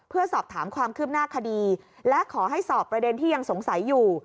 เพื่อสอบถามความคืบหน้าคดีและขอให้สอบประเด็นที่ยังสงสัยอยู่